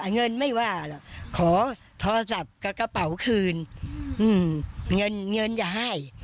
อ่าเงินไม่ว่าหรอกขอทอสับกับกระเป๋าคืนอืมเงินเงินจะให้